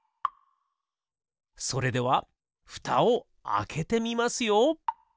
それではふたをあけてみますよ。